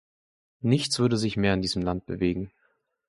Nichts würde sich mehr in diesem Land bewegen.